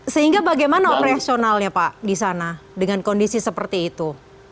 sehingga bagaimana operasionalnya pak di sana dengan kondisi seperti itu